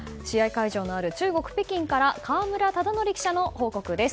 会場のある中国・北京から河村忠徳記者の報告です。